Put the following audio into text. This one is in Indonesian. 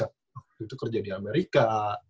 waktu itu kerja di amerika